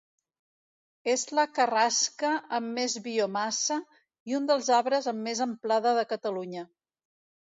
És la Carrasca amb més biomassa i un dels arbres amb més amplada de Catalunya.